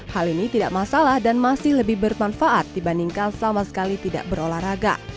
hal ini tidak masalah dan masih lebih bermanfaat dibandingkan sama sekali tidak berolahraga